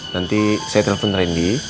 nanti saya telepon randy